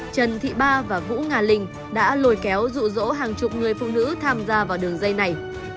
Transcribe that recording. trần thị ba và vũ nga linh đã lôi kéo rụ rỗ hàng chục người phụ nữ tham gia vào đường dây này